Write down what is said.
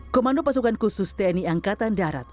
komando pasukan khusus tni angkatan darat